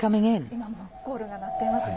今もコールが鳴っていますね。